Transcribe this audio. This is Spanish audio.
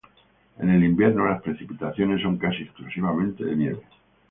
En el invierno las precipitaciones son casi exclusivamente de nieve.